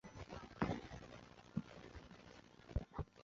聚集在入口处